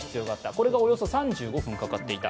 これがおよそ３５分かかっていた。